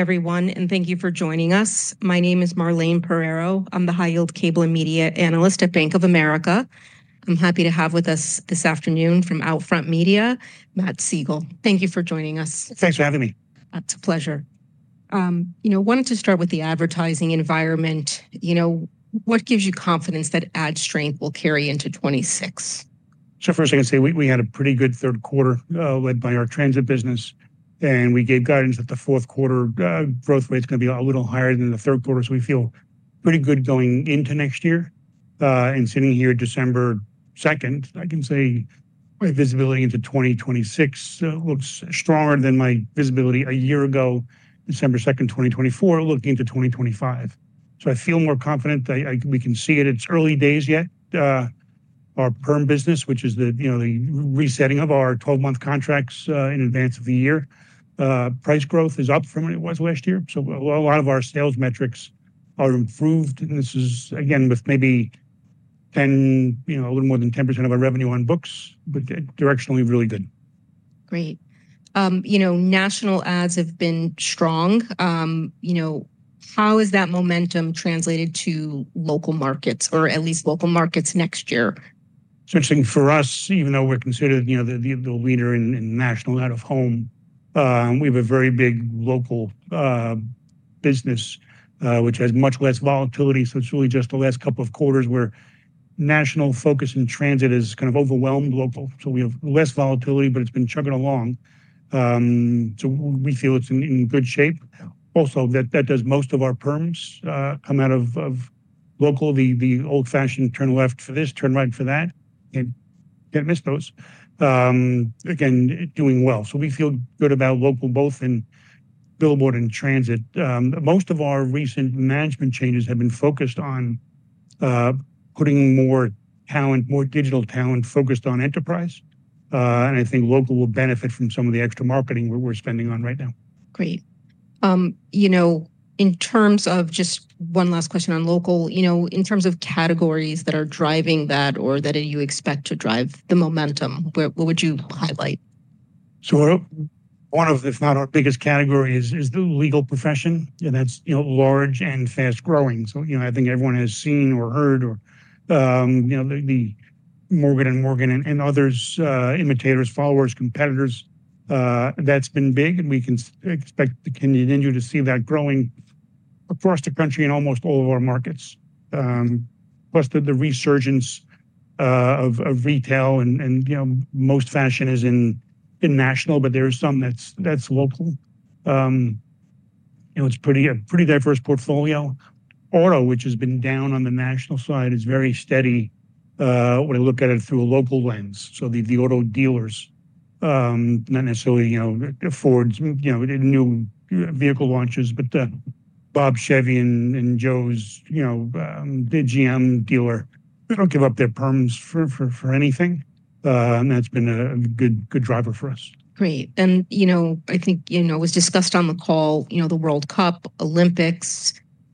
Everyone, and thank you for joining us. My name is Marlane Pereiro. I'm the High-Yield Cable and Media Analyst at Bank of America. I'm happy to have with us this afternoon from OUTFRONT Media, Matt Siegel. Thank you for joining us. Thanks for having me. It's a pleasure. You know, I wanted to start with the advertising environment. You know, what gives you confidence that ad strength will carry into 2026? So first, I can say we had a pretty good third quarter led by our transit business, and we gave guidance that the fourth quarter growth rate is going to be a little higher than the third quarter. So we feel pretty good going into next year. And sitting here December 2nd, I can say my visibility into 2026 looks stronger than my visibility a year ago, December 2nd, 2024, looking into 2025. So I feel more confident. We can see it. It's early days yet. Our perm business, which is the, you know, the resetting of our 12-month contracts in advance of the year, price growth is up from what it was last year. So a lot of our sales metrics are improved. And this is, again, with maybe 10, you know, a little more than 10% of our revenue on books, but directionally really good. Great. You know, national ads have been strong. You know, how is that momentum translated to local markets, or at least local markets next year? So interesting for us, even though we're considered, you know, the leader in national out-of-home, we have a very big local business, which has much less volatility. So it's really just the last couple of quarters where national focus in transit has kind of overwhelmed local. So we have less volatility, but it's been chugging along. So we feel it's in good shape. Also, that does most of our perms come out of local. The old-fashioned turn left for this, turn right for that, can't miss those. Again, doing well. So we feel good about local both in billboard and transit. Most of our recent management changes have been focused on putting more talent, more digital talent focused on enterprise. And I think local will benefit from some of the extra marketing we're spending on right now. Great. You know, in terms of just one last question on local, you know, in terms of categories that are driving that or that you expect to drive the momentum, what would you highlight? So, one of, if not our biggest categories, is the legal profession. And that's, you know, large and fast-growing. So, you know, I think everyone has seen or heard or, you know, the Morgan & Morgan and others, imitators, followers, competitors. That's been big. And we can expect the continued industry to see that growing across the country in almost all of our markets. Plus the resurgence of retail and, you know, most fashion is in national, but there's some that's local. You know, it's a pretty diverse portfolio. Auto, which has been down on the national side, is very steady when I look at it through a local lens. So the auto dealers, not necessarily, you know, Ford's, you know, new vehicle launches, but Bob Chevy and Joe's, you know, the GM dealer don't give up their perms for anything. And that's been a good driver for us. Great. And, you know, I think, you know, it was discussed on the call, you know, the World Cup, Olympics,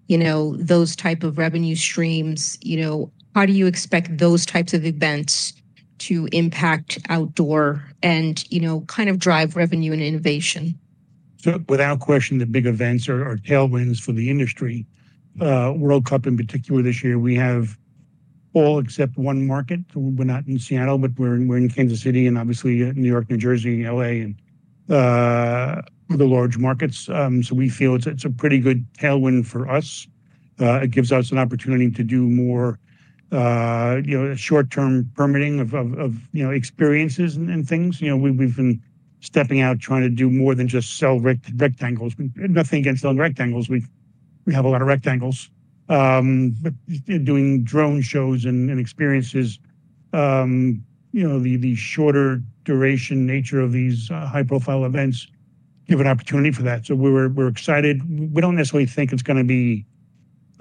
you know, those type of revenue streams, you know, how do you expect those types of events to impact outdoor and, you know, kind of drive revenue and innovation? So without question, the big events are tailwinds for the industry. World Cup in particular this year, we have all except one market. We're not in Seattle, but we're in Kansas City and obviously New York, New Jersey, L.A., and other large markets. So we feel it's a pretty good tailwind for us. It gives us an opportunity to do more, you know, short-term permitting of, you know, experiences and things. You know, we've been stepping out trying to do more than just sell rectangles. Nothing against selling rectangles. We have a lot of rectangles. But doing drone shows and experiences, you know, the shorter duration nature of these high-profile events give an opportunity for that. So we're excited. We don't necessarily think it's going to be,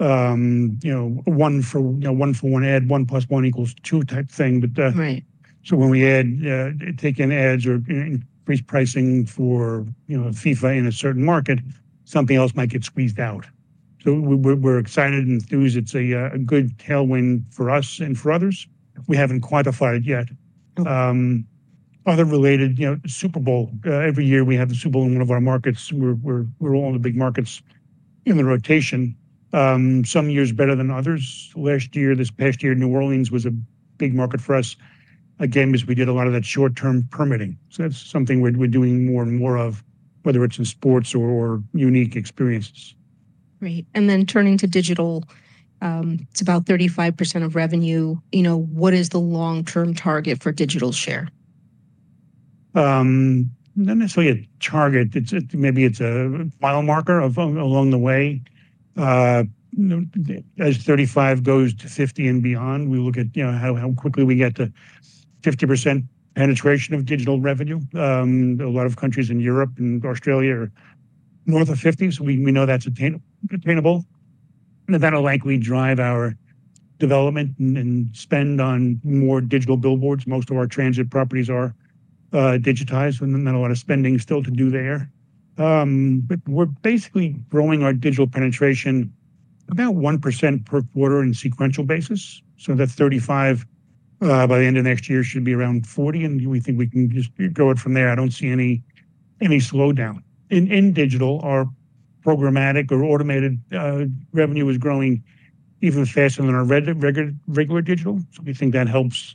you know, one for one for one ad, one plus one equals two type thing. But so when we add take in ads or increase pricing for, you know, FIFA in a certain market, something else might get squeezed out. So we're excited and enthused. It's a good tailwind for us and for others. We haven't quantified it yet. Other related, you know, Super Bowl. Every year we have the Super Bowl in one of our markets. We're all in the big markets in the rotation. Some years better than others. Last year, this past year, New Orleans was a big market for us. Again, because we did a lot of that short-term permitting. So that's something we're doing more and more of, whether it's in sports or unique experiences. Great. Then turning to digital, it's about 35% of revenue. You know, what is the long-term target for digital share? Not necessarily a target. Maybe it's a mile marker along the way. As 35% goes to 50% and beyond, we look at, you know, how quickly we get to 50% penetration of digital revenue. A lot of countries in Europe and Australia are north of 50%. So we know that's attainable, and that'll likely drive our development and spend on more digital billboards. Most of our transit properties are digitized, and then a lot of spending still to do there, but we're basically growing our digital penetration about 1% per quarter on a sequential basis, so that 35% by the end of next year should be around 40%. And we think we can just grow it from there. I don't see any slowdown. In digital, our programmatic or automated revenue is growing even faster than our regular digital, so we think that helps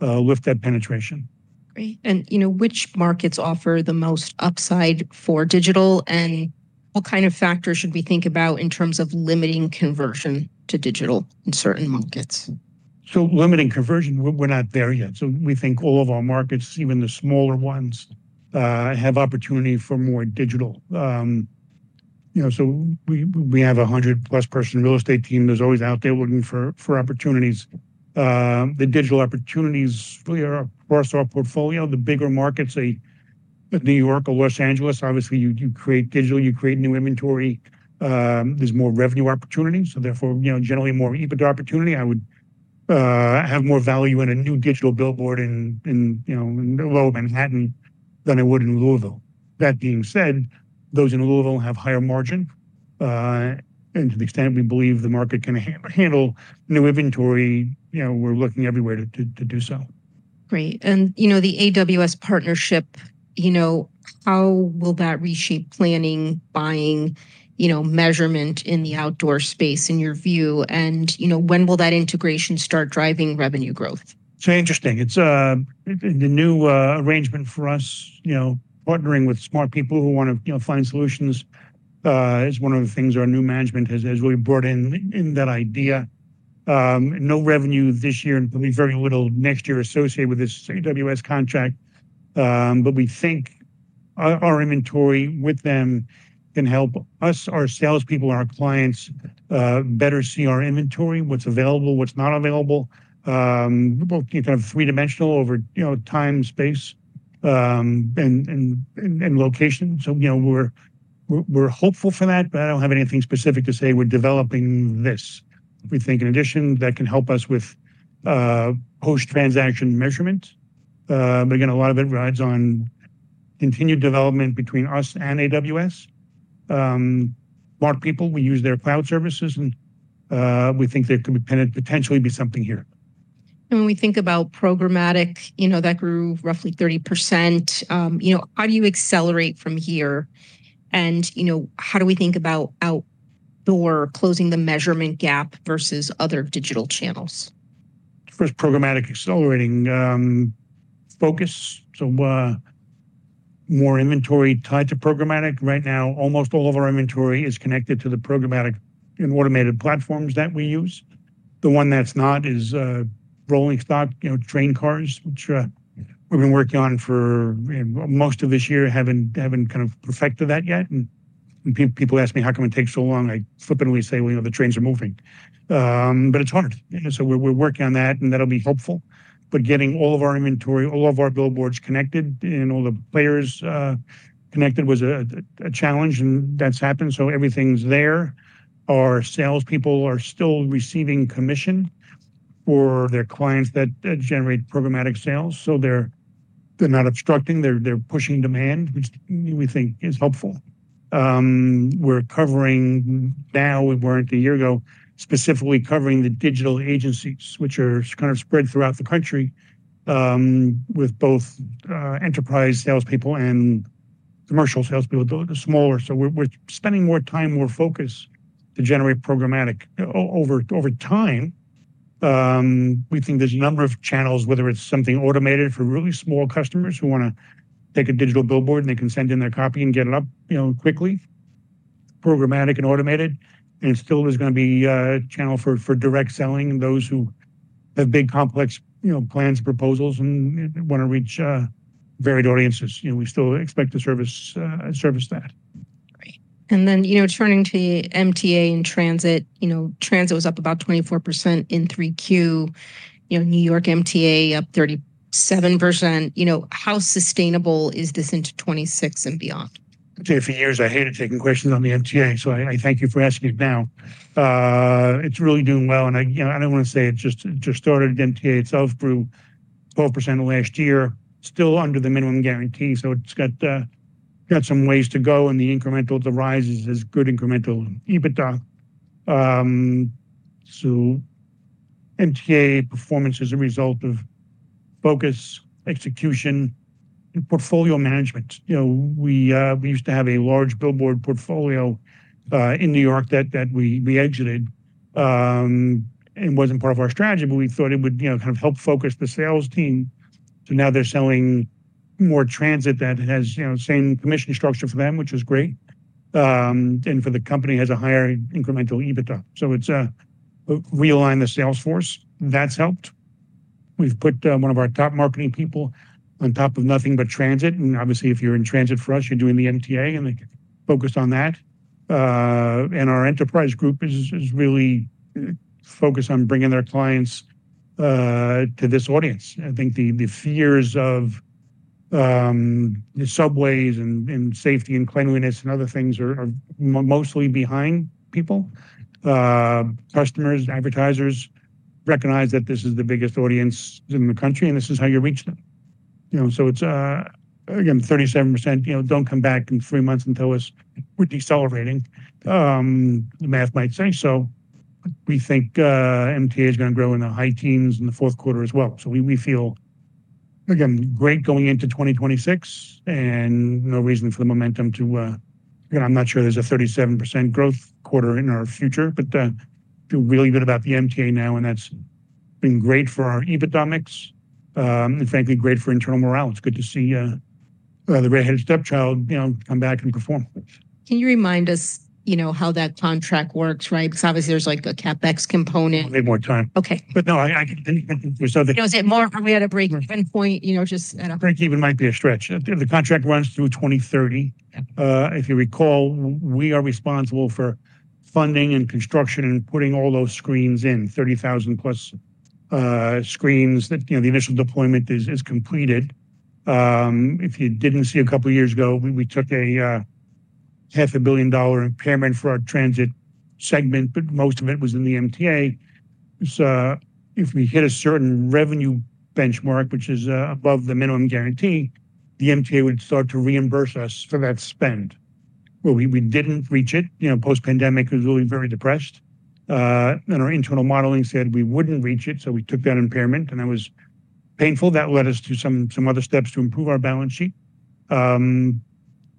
lift that penetration. Great. And, you know, which markets offer the most upside for digital? And what kind of factors should we think about in terms of limiting conversion to digital in certain markets? So limiting conversion, we're not there yet. So we think all of our markets, even the smaller ones, have opportunity for more digital. You know, so we have a 100+ person real estate team that's always out there looking for opportunities. The digital opportunities really are across our portfolio. The bigger markets, New York or Los Angeles, obviously you create digital, you create new inventory. There's more revenue opportunities. So therefore, you know, generally more EBITDA opportunity. I would have more value in a new digital billboard in, you know, Lower Manhattan than I would in Louisville. That being said, those in Louisville have higher margin. And to the extent we believe the market can handle new inventory, you know, we're looking everywhere to do so. Great. And, you know, the AWS partnership, you know, how will that reshape planning, buying, you know, measurement in the outdoor space in your view? And, you know, when will that integration start driving revenue growth? So, interesting. It's the new arrangement for us, you know, partnering with smart people who want to, you know, find solutions is one of the things our new management has really brought in that idea. No revenue this year and probably very little next year associated with this AWS contract. But we think our inventory with them can help us, our salespeople, our clients better see our inventory, what's available, what's not available. We're looking kind of three-dimensional over, you know, time, space, and location. So, you know, we're hopeful for that, but I don't have anything specific to say we're developing this. We think in addition that can help us with post-transaction measurement. But again, a lot of it rides on continued development between us and AWS. Smart people, we use their cloud services, and we think there could potentially be something here. And when we think about programmatic, you know, that grew roughly 30%. You know, how do you accelerate from here? And, you know, how do we think about outdoor closing the measurement gap versus other digital channels? First, programmatic accelerating focus. So more inventory tied to programmatic. Right now, almost all of our inventory is connected to the programmatic and automated platforms that we use. The one that's not is rolling stock, you know, train cars, which we've been working on for most of this year, haven't kind of perfected that yet. And people ask me, how can we take so long? I flippantly say, well, you know, the trains are moving. But it's hard. So we're working on that, and that'll be helpful. But getting all of our inventory, all of our billboards connected and all the players connected was a challenge, and that's happened. So everything's there. Our salespeople are still receiving commission for their clients that generate programmatic sales. So they're not obstructing. They're pushing demand, which we think is helpful. We're covering now, we weren't a year ago, specifically covering the digital agencies, which are kind of spread throughout the country with both enterprise salespeople and commercial salespeople, the smaller. So we're spending more time, more focus to generate programmatic over time. We think there's a number of channels, whether it's something automated for really small customers who want to take a digital billboard and they can send in their copy and get it up, you know, quickly, programmatic and automated. And it still is going to be a channel for direct selling and those who have big complex, you know, plans, proposals, and want to reach varied audiences. You know, we still expect to service that. Great. And then, you know, turning to the MTA and transit, you know, transit was up about 24% in 3Q. You know, New York MTA up 37%. You know, how sustainable is this into 2026 and beyond? I'll tell you, for years, I hated taking questions on the MTA. So I thank you for asking it now. It's really doing well. And I, you know, I don't want to say it just started. MTA itself grew 12% last year, still under the minimum guarantee. So it's got some ways to go. And the incremental revenue is good incremental EBITDA. So MTA performance is a result of focus, execution, and portfolio management. You know, we used to have a large billboard portfolio in New York that we exited. It wasn't part of our strategy, but we thought it would, you know, kind of help focus the sales team. So now they're selling more transit that has, you know, same commission structure for them, which is great. And for the company, it has a higher incremental EBITDA. So it realigns the sales force. That's helped. We've put one of our top marketing people on top of nothing but transit. And obviously, if you're in transit for us, you're doing the MTA and focused on that. And our enterprise group is really focused on bringing their clients to this audience. I think the fears of the subways and safety and cleanliness and other things are mostly behind people. Customers, advertisers recognize that this is the biggest audience in the country, and this is how you reach them. You know, so it's, again, 37%, you know, don't come back in three months and tell us we're decelerating. The math might say so. We think MTA is going to grow in the high teens in the fourth quarter as well. So we feel, again, great going into 2026 and no reason for the momentum to, again, I'm not sure there's a 37% growth quarter in our future, but I feel really good about the MTA now, and that's been great for our EBITDA mix and frankly, great for internal morale. It's good to see the redheaded stepchild, you know, come back and perform. Can you remind us, you know, how that contract works, right? Because obviously there's like a CapEx component. A little bit more time. Okay. But no, I can think of something. You know, is it more? We had a breakeven point, you know, just. I think even might be a stretch. The contract runs through 2030. If you recall, we are responsible for funding and construction and putting all those screens in, 30,000+ screens that, you know, the initial deployment is completed. If you didn't see, a couple of years ago, we took a $500 million impairment for our transit segment, but most of it was in the MTA. So if we hit a certain revenue benchmark, which is above the minimum guarantee, the MTA would start to reimburse us for that spend. Well, we didn't reach it. You know, post-pandemic was really very depressed. And our internal modeling said we wouldn't reach it. So we took that impairment, and that was painful. That led us to some other steps to improve our balance sheet.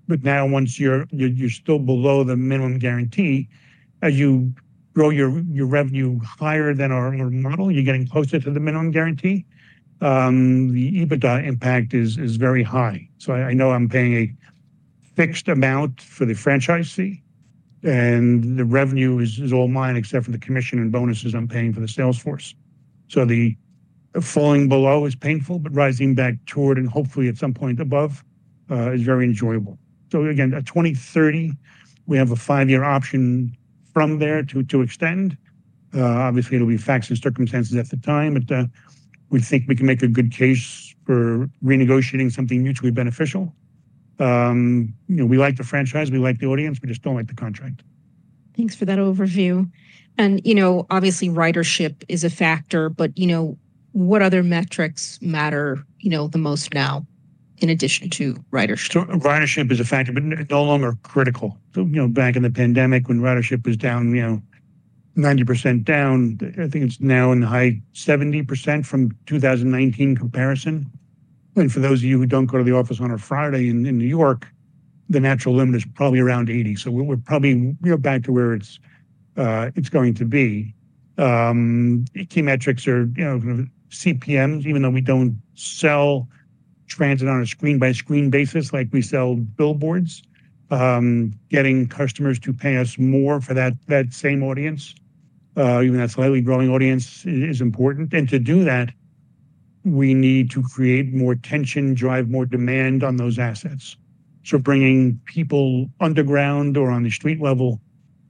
But now, once you're still below the minimum guarantee, as you grow your revenue higher than our model, you're getting closer to the minimum guarantee. The EBITDA impact is very high. So I know I'm paying a fixed amount for the franchise fee, and the revenue is all mine except for the commission and bonuses I'm paying for the sales force. So the falling below is painful, but rising back toward and hopefully at some point above is very enjoyable. So again, 2030, we have a five-year option from there to extend. Obviously, it'll be facts and circumstances at the time, but we think we can make a good case for renegotiating something mutually beneficial. You know, we like the franchise. We like the audience. We just don't like the contract. Thanks for that overview, and, you know, obviously ridership is a factor, but, you know, what other metrics matter, you know, the most now in addition to ridership? So ridership is a factor, but no longer critical. So, you know, back in the pandemic when ridership was down 90%, I think it's now in the high 70% from 2019 comparison. And for those of you who don't go to the office on a Friday in New York, the natural limit is probably around 80%. So we're probably back to where it's going to be. Key metrics are, you know, CPMs, even though we don't sell transit on a screen-by-screen basis like we sell billboards, getting customers to pay us more for that same audience, even that slightly growing audience is important. And to do that, we need to create more attention, drive more demand on those assets. So bringing people underground or on the street level,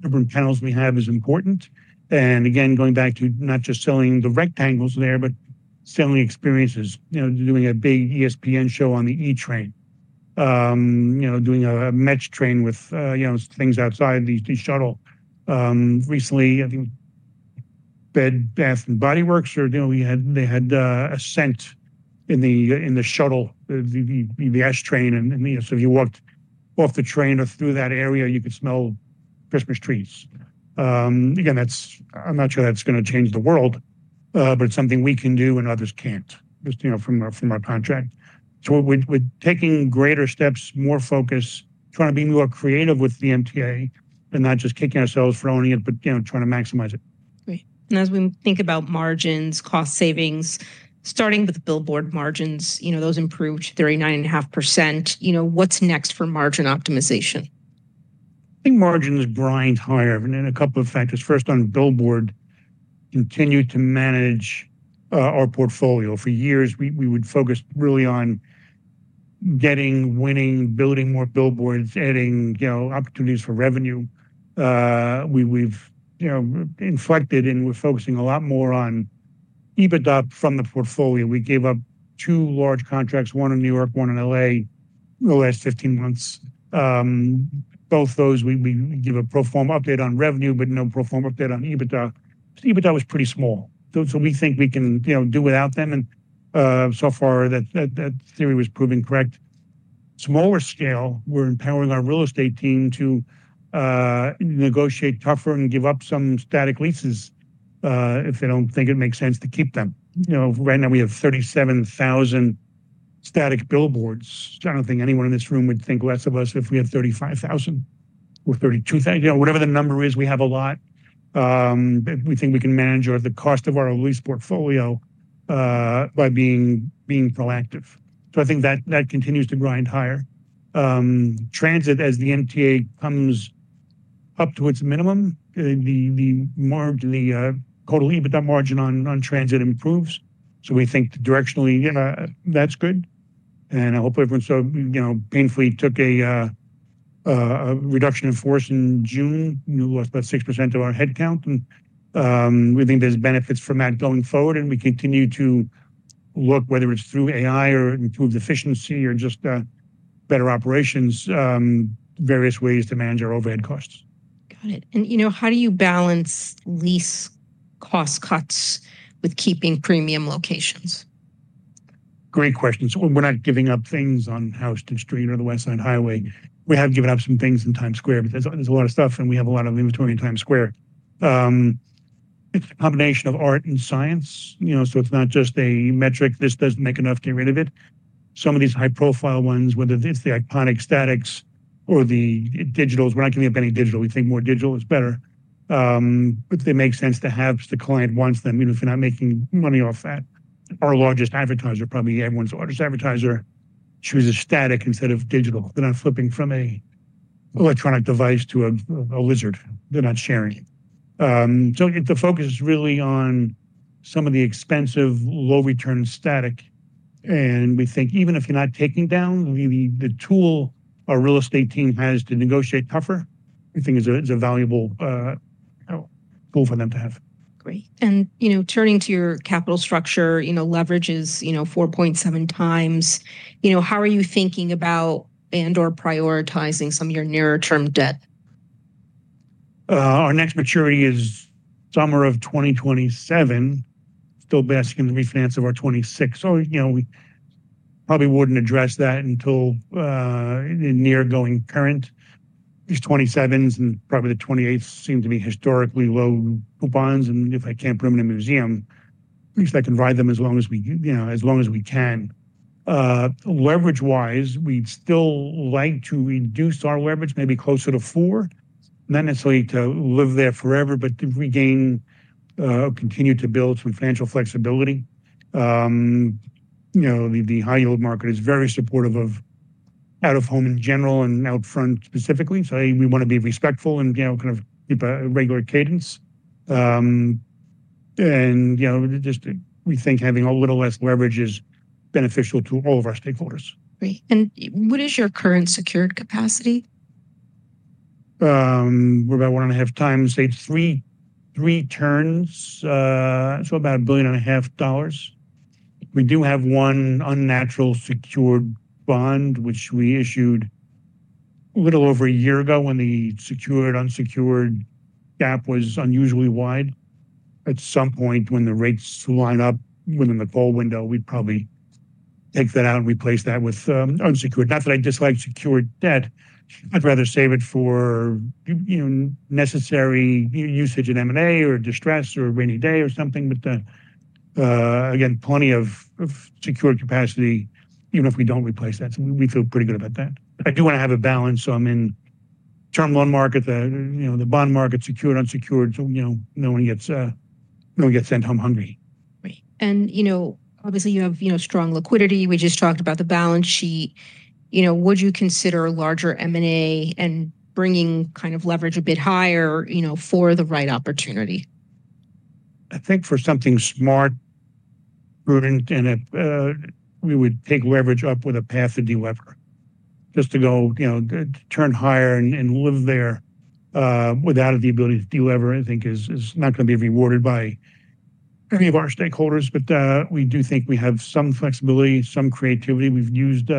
different panels we have is important. Again, going back to not just selling the rectangles there, but selling experiences, you know, doing a big ESPN show on the E-train, you know, doing a metro train with, you know, things outside the shuttle. Recently, I think Bath & Body Works, you know, they had a scent in the shuttle, the S-Train. So if you walked off the train or through that area, you could smell Christmas trees. Again, that's, I'm not sure that's going to change the world, but it's something we can do and others can't, just, you know, from our contract. We're taking greater steps, more focus, trying to be more creative with the MTA and not just kicking ourselves for owning it, but, you know, trying to maximize it. Great. And as we think about margins, cost savings, starting with the billboard margins, you know, those improved 39.5%, you know, what's next for margin optimization? I think margins grind higher in a couple of factors. First, on billboard, continue to manage our portfolio. For years, we would focus really on getting, winning, building more billboards, adding, you know, opportunities for revenue. We've, you know, inflected and we're focusing a lot more on EBITDA from the portfolio. We gave up two large contracts, one in New York, one in L.A. in the last 15 months. Both those, we give a pro forma update on revenue, but no pro forma update on EBITDA. EBITDA was pretty small. So we think we can, you know, do without them. And so far that theory was proving correct. Smaller scale, we're empowering our real estate team to negotiate tougher and give up some static leases if they don't think it makes sense to keep them. You know, right now we have 37,000 static billboards. I don't think anyone in this room would think less of us if we had 35,000 or 32,000, you know, whatever the number is. We have a lot. We think we can manage the cost of our lease portfolio by being proactive. So I think that continues to grind higher. Transit, as the MTA comes up to its minimum, the total EBITDA margin on transit improves. So we think directionally, that's good. And I hope everyone, so, you know, painfully took a reduction in force in June. We lost about 6% of our headcount. And we think there's benefits from that going forward. And we continue to look whether it's through AI or improved efficiency or just better operations, various ways to manage our overhead costs. Got it. And you know, how do you balance lease cost cuts with keeping premium locations? Great question. So we're not giving up things on Houston Street or the West Side Highway. We have given up some things in Times Square, but there's a lot of stuff and we have a lot of inventory in Times Square. It's a combination of art and science, you know, so it's not just a metric. This doesn't make enough to get rid of it. Some of these high-profile ones, whether it's the iconic statics or the digitals, we're not giving up any digital. We think more digital is better. But they make sense to have because the client wants them, even if you're not making money off that. Our largest advertiser, probably everyone's largest advertiser, chooses static instead of digital. They're not flipping from an electronic device to a static. They're not sharing. So the focus is really on some of the expensive, low-return static. We think even if you're not taking down the tool, our real estate team has to negotiate tougher. I think is a valuable tool for them to have. Great. And, you know, turning to your capital structure, you know, leverage is, you know, 4.7 times. You know, how are you thinking about and/or prioritizing some of your nearer-term debt? Our next maturity is summer of 2027. Still basking in the refinance of our 2026. So, you know, we probably wouldn't address that until they're near going current. These 2027s and probably the 2028s seem to be historically low coupons. And if I can't put them in a museum, at least I can ride them as long as we, you know, as long as we can. Leverage-wise, we'd still like to reduce our leverage, maybe closer to four, not necessarily to live there forever, but to regain or continue to build some financial flexibility. You know, the high-yield market is very supportive of out-of-home in general and OUTFRONT specifically. So we want to be respectful and, you know, kind of keep a regular cadence. And, you know, just we think having a little less leverage is beneficial to all of our stakeholders. Great. And what is your current secured capacity? We're about one and a half times, say, three turns. So about $1.5 billion. We do have one unusual secured bond, which we issued a little over a year ago when the secured-unsecured gap was unusually wide. At some point, when the rates line up within the call window, we'd probably take that out and replace that with unsecured. Not that I dislike secured debt. I'd rather save it for, you know, necessary usage in M&A or distress or rainy day or something. But again, plenty of secured capacity, even if we don't replace that. So we feel pretty good about that. I do want to have a balance. So I'm in the term loan market, the bond market, secured, unsecured. So, you know, no one gets sent home hungry. Right. And, you know, obviously you have, you know, strong liquidity. We just talked about the balance sheet. You know, would you consider a larger M&A and bringing kind of leverage a bit higher, you know, for the right opportunity? I think for something smart, prudent, and we would take leverage up with a path of de-lever just to go, you know, turn higher and live there without the ability to de-lever, I think is not going to be rewarded by any of our stakeholders. But we do think we have some flexibility, some creativity. We've used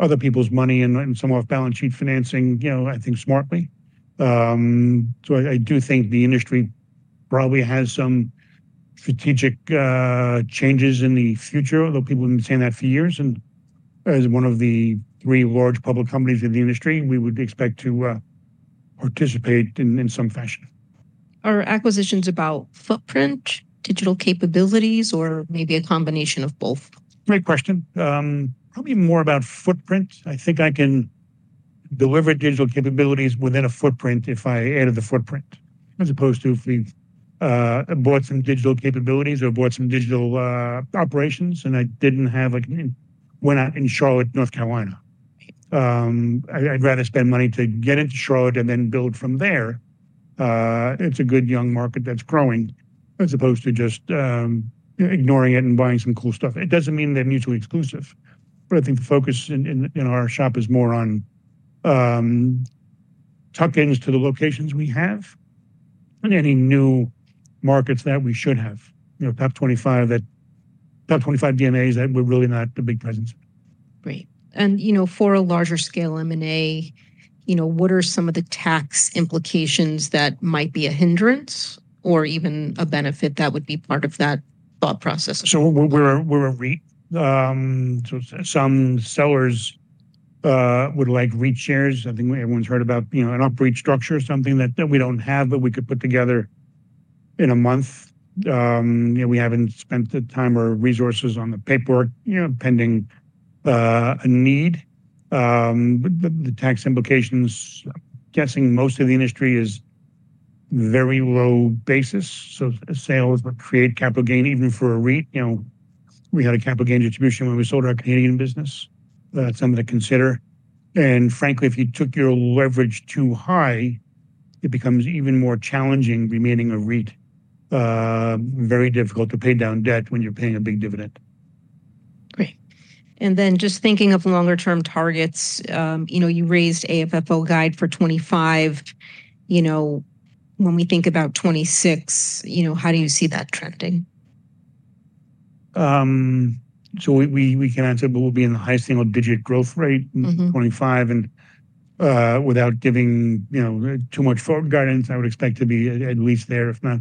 other people's money and some off-balance sheet financing, you know, I think smartly. So I do think the industry probably has some strategic changes in the future, although people have been saying that for years. And as one of the three large public companies in the industry, we would expect to participate in some fashion. Are acquisitions about footprint, digital capabilities, or maybe a combination of both? Great question. Probably more about footprint. I think I can deliver digital capabilities within a footprint if I added the footprint, as opposed to if we bought some digital capabilities or bought some digital operations and I didn't have, like, went out in Charlotte, North Carolina. I'd rather spend money to get into Charlotte and then build from there. It's a good young market that's growing as opposed to just ignoring it and buying some cool stuff. It doesn't mean they're mutually exclusive. But I think the focus in our shop is more on tuck-ins to the locations we have and any new markets that we should have. You know, top 25 DMAs that we're really not a big presence. Great. And you know, for a larger scale M&A, you know, what are some of the tax implications that might be a hindrance or even a benefit that would be part of that thought process? So we're a REIT. So some sellers would like REIT shares. I think everyone's heard about, you know, an Up-C structure or something that we don't have, but we could put together in a month. You know, we haven't spent the time or resources on the paperwork, you know, pending a need. But the tax implications, I'm guessing most of the industry is very low basis. So sales would create capital gain. Even for a REIT, you know, we had a capital gain distribution when we sold our Canadian business. That's something to consider. And frankly, if you took your leverage too high, it becomes even more challenging remaining a REIT. Very difficult to pay down debt when you're paying a big dividend. Great, and then just thinking of longer-term targets, you know, you raised AFFO guide for 2025. You know, when we think about 2026, you know, how do you see that trending? So we can answer, but we'll be in the high single-digit growth rate in 2025. And without giving, you know, too much forward guidance, I would expect to be at least there, if not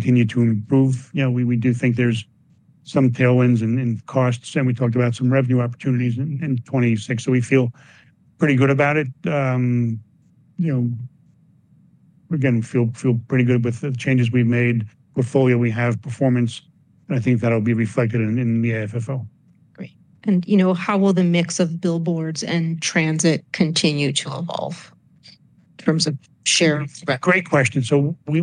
continue to improve. You know, we do think there's some tailwinds and costs. And we talked about some revenue opportunities in 2026. So we feel pretty good about it. You know, again, we feel pretty good with the changes we've made, portfolio we have, performance. And I think that'll be reflected in the AFFO. Great. And, you know, how will the mix of billboards and transit continue to evolve in terms of share? Great question, so we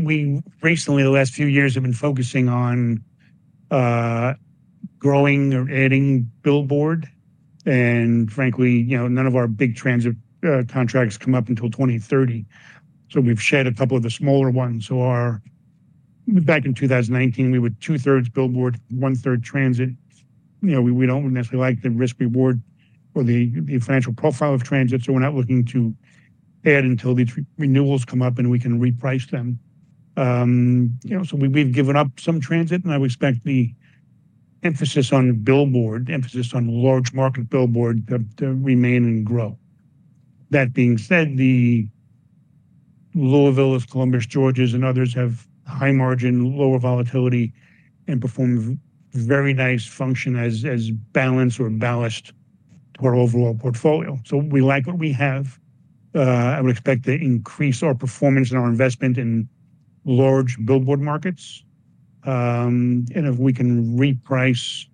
recently, the last few years, have been focusing on growing or adding billboard, and frankly, you know, none of our big transit contracts come up until 2030, so we've shed a couple of the smaller ones, so back in 2019, we were two-thirds billboard, one-third transit. You know, we don't necessarily like the risk-reward or the financial profile of transit, so we're not looking to add until these renewals come up and we can reprice them, you know, so we've given up some transit, and I would expect the emphasis on billboard, emphasis on large market billboard to remain and grow. That being said, the Louisville, Columbus, Georges, and others have high margin, lower volatility, and perform very nice function as balance or ballast to our overall portfolio, so we like what we have. I would expect to increase our performance and our investment in large billboard markets, and if we can reprice,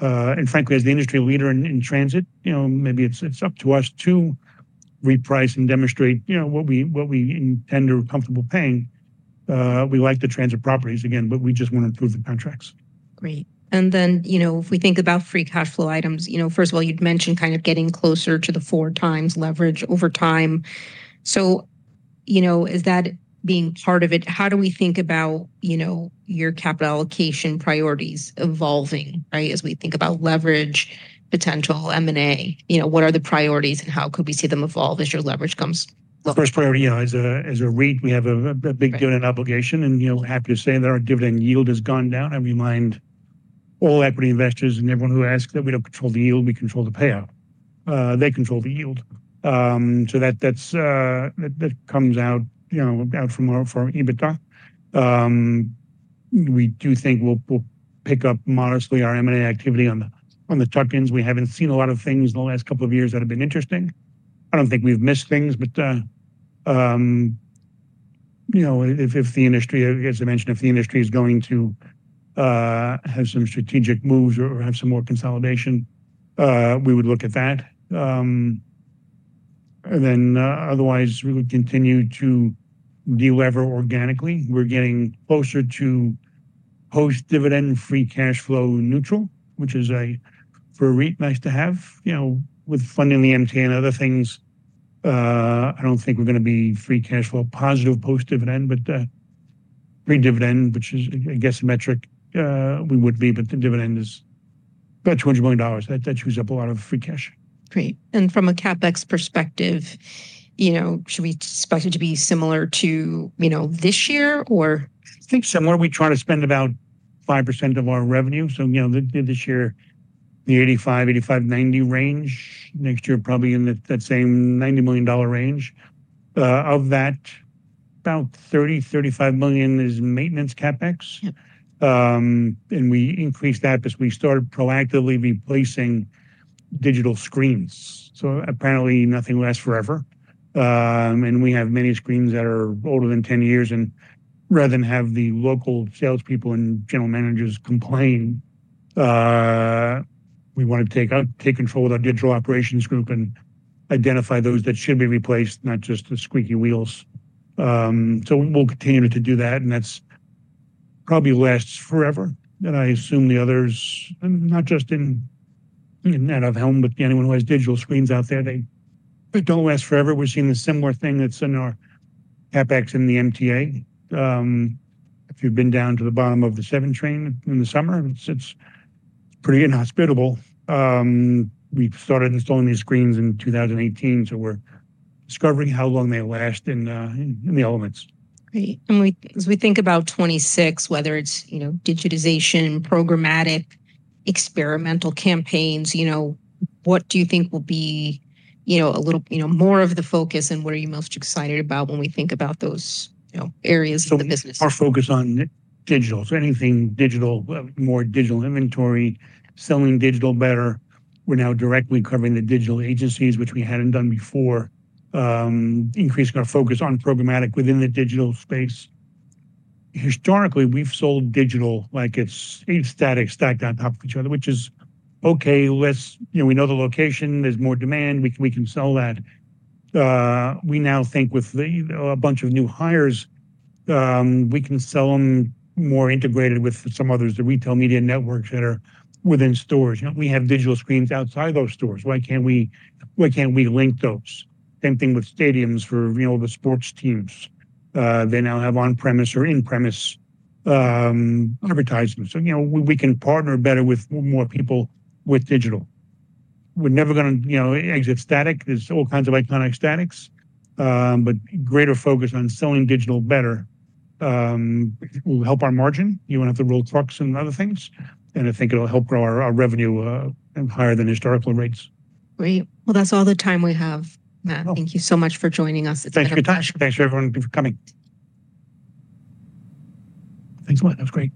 and frankly, as the industry leader in transit, you know, maybe it's up to us to reprice and demonstrate, you know, what we intend or are comfortable paying. We like the transit properties, again, but we just want to improve the contracts. Great. And then, you know, if we think about free cash flow items, you know, first of all, you'd mentioned kind of getting closer to the four times leverage over time. So, you know, is that being part of it? How do we think about, you know, your capital allocation priorities evolving, right, as we think about leverage, potential M&A? You know, what are the priorities and how could we see them evolve as your leverage comes? The first priority, you know, as a REIT, we have a big dividend obligation. And, you know, happy to say that our dividend yield has gone down. I remind all equity investors and everyone who asks that we don't control the yield, we control the payout. They control the yield. So that comes out, you know, out from our EBITDA. We do think we'll pick up modestly our M&A activity on the tuck-ins. We haven't seen a lot of things in the last couple of years that have been interesting. I don't think we've missed things. But, you know, if the industry, as I mentioned, if the industry is going to have some strategic moves or have some more consolidation, we would look at that. And then otherwise, we would continue to de-lever organically. We're getting closer to post-dividend, free cash flow neutral, which is for a REIT nice to have, you know, with funding the MTA and other things. I don't think we're going to be free cash flow positive post-dividend, but pre-dividend, which is, I guess, a metric we would be. But the dividend is about $20 million. That chews up a lot of free cash. Great. And from a CapEx perspective, you know, should we expect it to be similar to, you know, this year or? I think similar. We try to spend about 5% of our revenue. You know, this year, the $85 million-$90 million range. Next year, probably in that same $90 million range. Of that, about $30 million-$35 million is maintenance CapEx. We increased that because we started proactively replacing digital screens. Apparently, nothing lasts forever. We have many screens that are older than 10 years. Rather than have the local salespeople and general managers complain, we want to take control of the digital operations group and identify those that should be replaced, not just the squeaky wheels. We'll continue to do that. That's probably lasts forever. I assume the others, not just in out-of-home, but anyone who has digital screens out there, they don't last forever. We're seeing the similar thing that's in our CapEx in the MTA. If you've been down to the bottom of the seven train in the summer, it's pretty inhospitable. We've started installing these screens in 2018. So we're discovering how long they last in the elements. Great. And as we think about 2026, whether it's, you know, digitization, programmatic, experimental campaigns, you know, what do you think will be, you know, a little, you know, more of the focus and what are you most excited about when we think about those, you know, areas of the business? So our focus on digital. So anything digital, more digital inventory, selling digital better. We're now directly covering the digital agencies, which we hadn't done before. Increasing our focus on programmatic within the digital space. Historically, we've sold digital like it's eight statics stacked on top of each other, which is okay. You know, we know the location. There's more demand. We can sell that. We now think with a bunch of new hires, we can sell them more integrated with some others, the retail media networks that are within stores. You know, we have digital screens outside those stores. Why can't we link those? Same thing with stadiums for, you know, the sports teams. They now have on-premise or in-premise advertising. So, you know, we can partner better with more people with digital. We're never going to, you know, exit static. There's all kinds of iconic statics. But greater focus on selling digital better will help our margin. You won't have to roll trucks and other things. And I think it'll help grow our revenue higher than historical rates. Great. Well, that's all the time we have, Matt. Thank you so much for joining us. Thank you, Tash. Thanks, everyone, for coming. Thanks a lot. That was great.